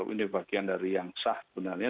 ini bagian dari yang sah sebenarnya